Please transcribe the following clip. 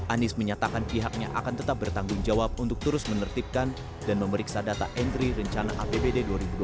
anies menyatakan pihaknya akan tetap bertanggung jawab untuk terus menertibkan dan memeriksa data entry rencana apbd dua ribu dua puluh